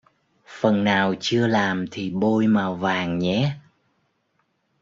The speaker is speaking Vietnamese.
phần nào chưa làm thì bôi màu vàng nhé